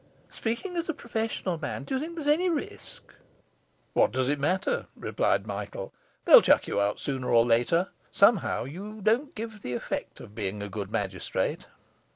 Speaking as a professional man, do you think there's any risk?' 'What does it matter?' responded Michael, 'they'll chuck you out sooner or later. Somehow you don't give the effect of being a good magistrate.